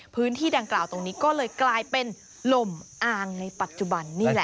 พื้นที่ดังกล่าวตรงนี้ก็เลยกลายเป็นลมอางในปัจจุบันนี่แหละ